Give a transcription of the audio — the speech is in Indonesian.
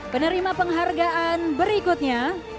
penerima penghargaan berikutnya